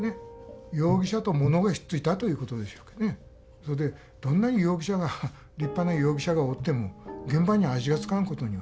それでどんなに容疑者が立派な容疑者がおっても現場に足がつかんことには。